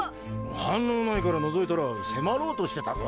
反応無いから覗いたら迫ろうとしてたぞ。